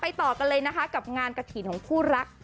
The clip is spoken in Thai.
ต่อกันเลยนะคะกับงานกระถิ่นของคู่รัก